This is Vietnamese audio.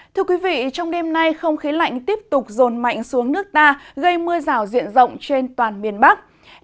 thưa quý vị trong đêm nay không khí lạnh tiếp tục rồn mạnh xuống nước ta gây mưa rào diện rộng trên toàn miền bắc